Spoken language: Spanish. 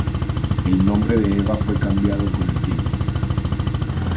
El nombre de Eva fue cambiando con el tiempo.